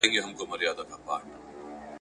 او پخپله نا آشنا ده له نڅا او له مستیو ,